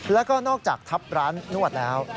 แล้วก็นอกจากทับร้านนวดแล้ว